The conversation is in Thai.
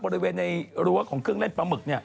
บริเวณในรั้วของเครื่องเล่นปลาหมึก